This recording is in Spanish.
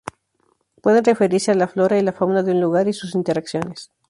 Pueden referirse a la flora y la fauna de un lugar y sus interacciones.